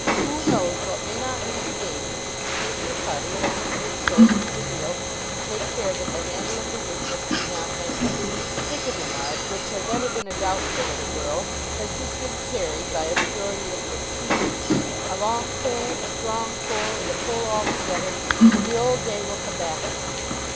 Who knows what may not be regained if the Conservative party will only put its shoulder to the wheel and take care that the handle of the windlass be not mended! Sticinthemud, which has ever been a doubtful little borough, has just been carried by a majority of fifteen! A long pull, a strong pull, and a pull altogether, and the old day will come back again.